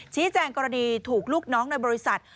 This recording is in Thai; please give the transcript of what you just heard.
แจ้งกรณีถูกลูกน้องในบริษัท